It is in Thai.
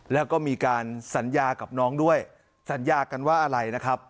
แล้วก็มีการสัญญากับน้องด้วยสัญญากันว่าอะไรนะครับ